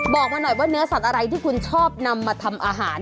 บอกมาหน่อยว่าเนื้อสัตว์อะไรที่คุณชอบนำมาทำอาหาร